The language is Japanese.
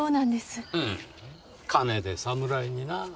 ふーん金で侍にな。